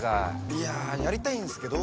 いややりたいんすけど。